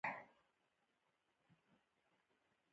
سیلوګانې د غنمو لپاره دي.